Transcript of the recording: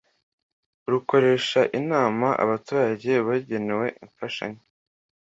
rukoresha inama abaturage bagenewe imfashanyo